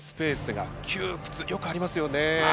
よくありますよね。